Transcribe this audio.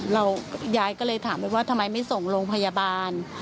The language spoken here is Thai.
เราย้ายก็เลยถามว่าทำไมไม่ส่งลงพยาบาล